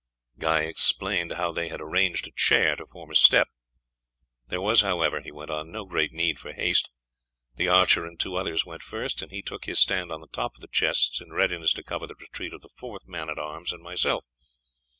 Guy explained how they had arranged a chair to form a step. "There was, however," he went on, "no great need for haste. The archer and two others went first, and he took his stand on the top of the chests in readiness to cover the retreat of the fourth man at arms and myself.